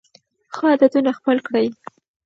ښه عادتونه خپل کړئ.